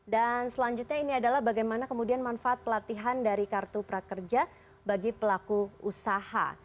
dan selanjutnya ini adalah bagaimana kemudian manfaat pelatihan dari kartu prakerja bagi pelaku usaha